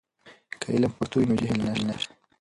که علم په پښتو وي، نو جهل نشته.